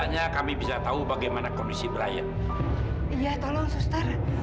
jadi dengan berwisata